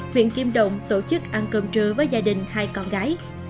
huyện kim động tổ chức ăn cơm trưa với gia đình hai con gái